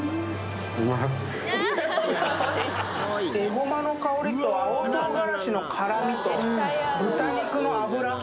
うまいエゴマの香りと青唐辛子の辛みと豚肉の脂